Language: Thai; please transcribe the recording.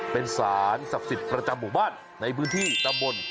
เป็นสารศักดิ์สิทธิ์ประจำหมู่บ้านในพื้นที่ตำบล